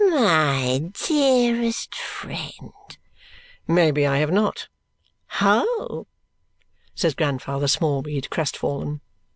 "My dearest friend!" "May be, I have not." "Ho!" says Grandfather Smallweed, crest fallen.